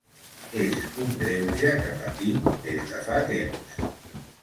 És un greuge que patim des de fa temps.